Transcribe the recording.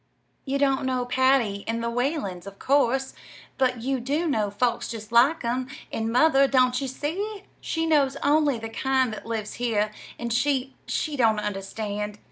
"You don't know Patty and the Whalens, 'course, but you do know folks just like 'em; and mother don't you see? she knows only the kind that lives here, and she she don't understand.